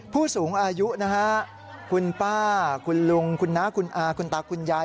ผู้สูงอายุนะฮะคุณป้าคุณลุงคุณน้าคุณอาคุณตาคุณยาย